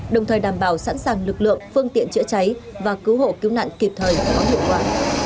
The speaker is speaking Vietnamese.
đồng thời đảm bảo sẵn sàng lực lượng phương tiện chữa cháy và cứu hộ cứu nạn kịp thời có hiệu quả